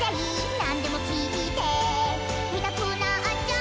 「何でも聞いてみたくなっちゃう」